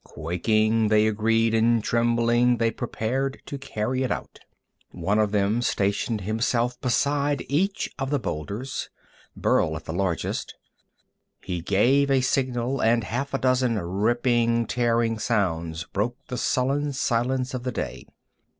Quaking, they agreed, and, trembling, they prepared to carry it out. One of them stationed himself beside each of the boulders, Burl at the largest. He gave a signal, and half a dozen ripping, tearing sounds broke the sullen silence of the day.